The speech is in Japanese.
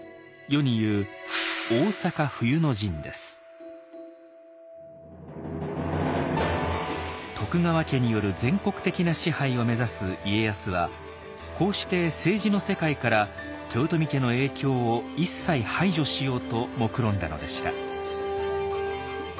世に言う徳川家による全国的な支配を目指す家康はこうして政治の世界から豊臣家の影響を一切排除しようともくろんだのでした。